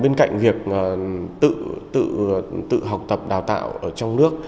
bên cạnh việc tự học tập đào tạo ở trong nước